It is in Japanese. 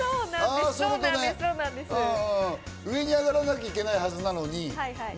ああそうね、上に上がらなきゃいけないはずなのに。